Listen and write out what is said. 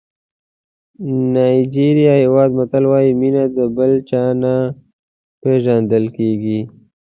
نایجېریا هېواد متل وایي مینه د بل چا نه پېژندل کېږي.